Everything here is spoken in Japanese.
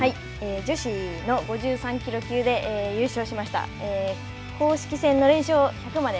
女子の５３キロ級で優勝しました、公式戦の連勝を１００まで